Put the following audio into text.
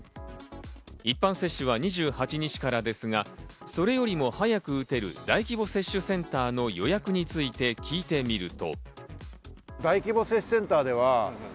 一般接種は２８日からですが、それよりも早く打てる大規模接種センターの予約について聞いてみると。